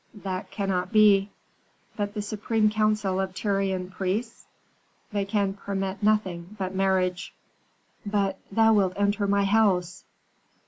"That cannot be." "But the supreme council of Tyrian priests?" "They can permit nothing but marriage." "But thou wilt enter my house."